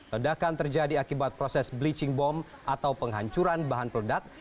ledakan terjadi akibat proses bleaching bom atau penghancuran bahan peledak